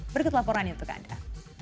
berikut laporannya untuk anda